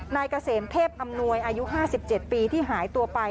นายเกษมเทพอำนวยอายุ๕๗ปีที่หายตัวไป